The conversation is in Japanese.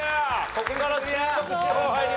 ここから中国地方入ります。